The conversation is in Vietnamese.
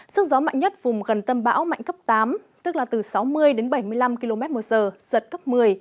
sức gió mạnh nhất vùng gần tâm bão mạnh cấp tám tức là từ sáu mươi đến bảy mươi năm km một giờ giật cấp một mươi